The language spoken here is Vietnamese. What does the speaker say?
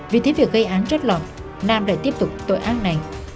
vì thế việc gây án rất lọt nam đã tiếp tục tội ác này